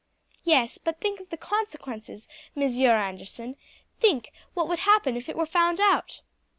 "Yes; but think of the consequences, Monsieur Anderson: think what would happen if it were found out."